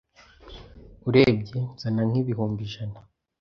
urebye nzana nk’ibihumbi ijana